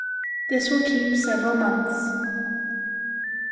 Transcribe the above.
This will keep several months.